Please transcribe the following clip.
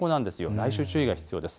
来週、注意が必要です。